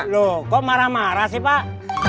loh kok marah marah sih pak